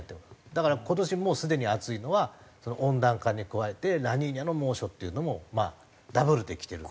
だから今年もうすでに暑いのは温暖化に加えてラニーニャの猛暑っていうのもダブルで来てる。